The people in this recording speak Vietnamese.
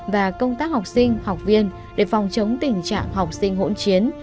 và công tác học sinh học viên để phòng chống tình trạng học sinh hỗn chiến